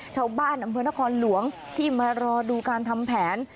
ชาวบ้านอำเภอนครหลวงที่มารอดูการทำแผน